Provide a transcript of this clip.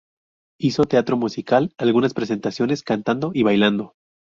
Hizo teatro musical, algunas presentaciones cantando y bailando.